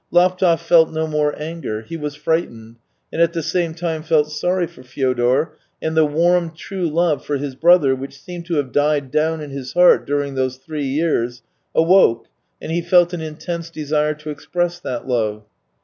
Laptev felt no more anger; he was frightened, and at the same time felt sorry for Fyodor, and the warm, true love for his brother, which seemed to have died down in his heart during those three years, awoke, and he felt an intense desire to express that love.